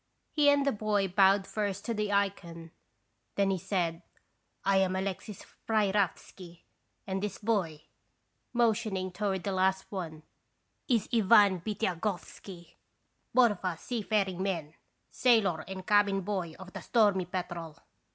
He and the boy bowed first to the icon. Then he said: " I am Alexis Prayrafsky; and this boy," motioning toward the last one, "is Ivan Bitiagofsky, both of us seafaring men, sailor and cabin boy of the Stormy Petrel."